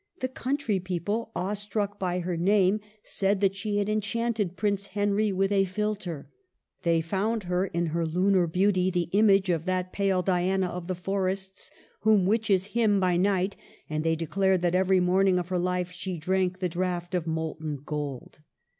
The country people, awe struck by her name, said CHANGES, 171 that she had enchanted Prince Henry with a philtre. They found her, in her lunar beauty, the image of that pale Diana of the Forests whom witches hymn by night; and they de clared that every morning of her life she drank a draught of molten gold.